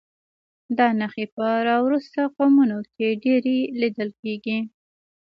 دا نښې په راوروسته قومونو کې ډېرې لیدل کېږي.